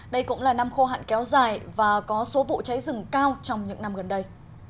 đây cũng là năm khô hạn kéo dài và có số vụ cháy rừng cao trong những năm gần đây